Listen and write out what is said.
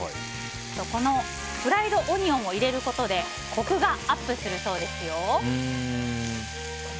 このフライドオニオンを入れることでコクがアップするそうですよ。